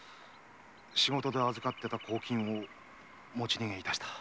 仕事で預かってた公金を持ち逃げいたした。